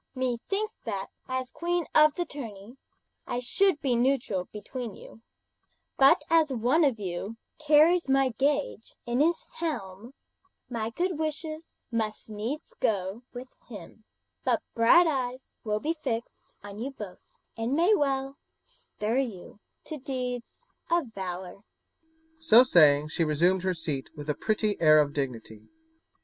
Methinks that, as queen of the tourney, I should be neutral between you, but as one of you carries my gage in his helm, my good wishes must needs go with him; but bright eyes will be fixed on you both, and may well stir you to deeds of valour." So saying, she resumed her seat with a pretty air of dignity.